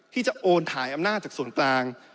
ที่จะโอนถ่ายอำนาจจากส่วนกลาง